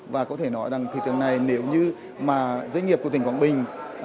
và có thể nói rằng thị trường này nếu như mà doanh nghiệp của tỉnh quảng bình